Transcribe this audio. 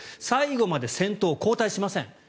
最後まで先頭交代しません。